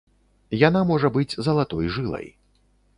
Яна можа быць залатой жылай.